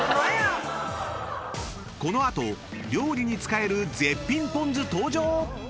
［この後料理に使える絶品ぽん酢登場！］